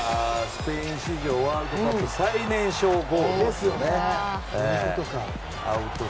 スペイン史上ワールドカップ最年少ゴールと。